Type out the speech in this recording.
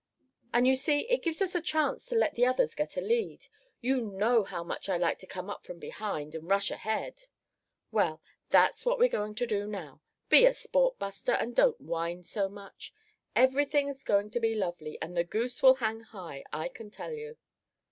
And you see, it gives us a chance to let the others get a lead. You know how much I like to come up from behind, and rush ahead? Well, that's what we're going to do now. Be a sport, Buster, and don't whine so much. Everything's going to be lovely, and the goose will hang high, I can tell you."